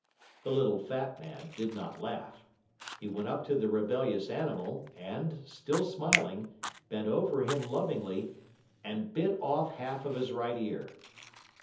The little fat man did not laugh. He went up to the rebellious animal, and, still smiling, bent over him lovingly and bit off half of his right ear.